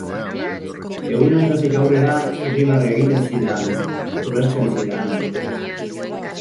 Egun hartatik aurrera irribarre egiten zidaan, ulertzen zidaan.